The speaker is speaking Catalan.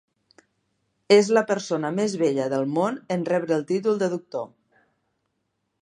És la persona més vella del món en rebre el títol de doctor.